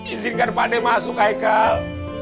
izinkan pak nek masuk hai kal